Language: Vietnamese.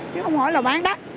chứ không hỏi là bán đắt